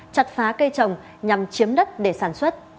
chặt phá cây trồng nhằm chiếm đất để sản xuất